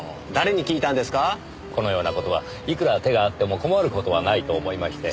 このような事はいくら手があっても困る事はないと思いまして。